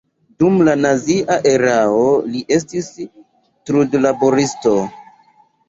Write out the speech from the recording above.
Dum la nazia erao li estis trudlaboristo.